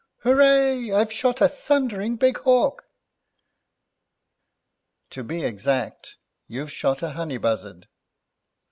"Horray! I've shot a thundering big hawk!" "To be exact, you've shot a honey buzzard.